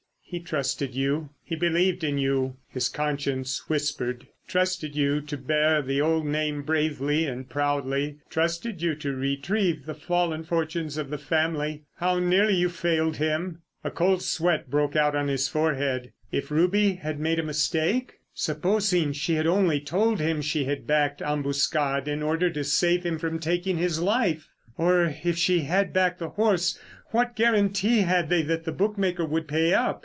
"He trusted you, he believed in you," his conscience whispered. "Trusted you to bear the old name bravely and proudly; trusted you to retrieve the fallen fortunes of the family. How nearly you failed him!" A cold sweat broke out on his forehead. If Ruby had made a mistake? Supposing she had only told him she had backed Ambuscade in order to save him from taking his life? Or, if she had backed the horse, what guarantee had they that the bookmaker would pay up?